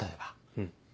うん。